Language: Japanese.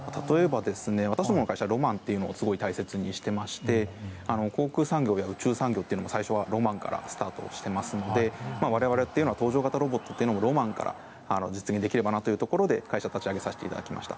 私どもの会社はロマンを大切にしていまして航空産業や宇宙産業も最初はロマンからスタートしていますので我々というのは搭乗型ロボットもロマンから実現できればなということで会社を立ち上げさせていただきました。